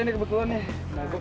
nggak apa apa ditinggal nek